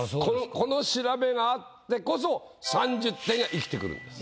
この調べがあってこそ「三十点」が生きてくるんです。